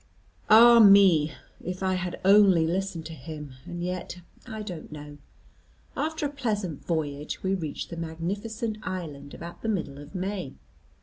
Ah, me! If I had only listened to him. And yet, I don't know. After a pleasant voyage we reached the magnificent island, about the middle of May.